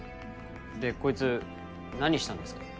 でこいつ何したんですか？